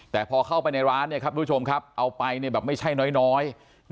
แต่พอเข้าไปในร้านเนี่ยครับทุกผู้ชมครับเอาไปเนี่ยแบบไม่ใช่น้อย